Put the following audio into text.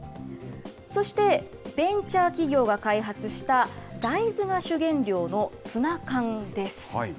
そしてベンチャー企業が開発した大豆が主原料のツナ缶です。